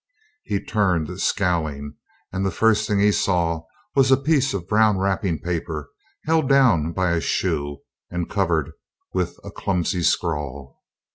He turned, scowling, and the first thing he saw was a piece of brown wrapping paper held down by a shoe and covered with a clumsy scrawl.